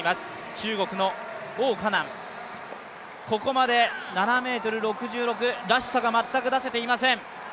中国の王嘉男、ここまで７ｍ６６ｍらしさが全く出せていません。